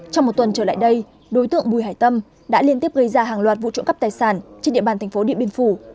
trong một tuần trở lại đây đối tượng bùi hải tâm đã liên tiếp gây ra hàng loạt vụ trộm cắp tài sản trên địa bàn thành phố điện biên phủ